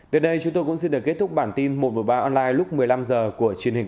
đến đây chúng tôi cũng xin được kết thúc bản tin một trăm một mươi ba online lúc một mươi năm h của truyền hình